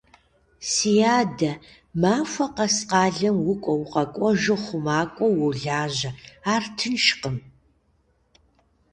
Ди адэ, махуэ къэс къалэм укӀуэ-укъэкӀуэжу хъумакӀуэу уолажьэ, ар тыншкъым.